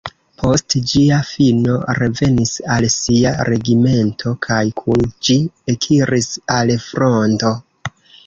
Post ĝia fino revenis al sia regimento kaj kun ĝi ekiris al fronto.